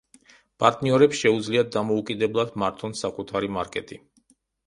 პარტნიორებს შეუძლიათ დამოუკიდებლად მართონ საკუთარი მარკეტი.